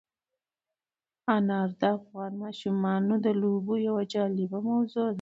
انار د افغان ماشومانو د لوبو یوه جالبه موضوع ده.